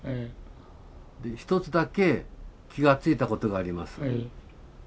一つだけ気が付いたことがあります。